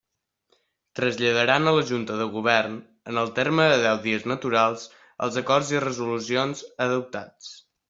Traslladaran a la Junta de Govern, en el terme de deu dies naturals, els acords i resolucions adoptats.